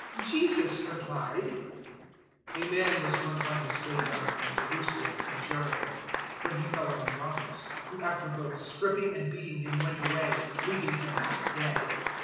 010:030 Jesus replied, "A man was once on his way down from Jerusalem to Jericho when he fell among robbers, who after both stripping and beating him went away, leaving him half dead.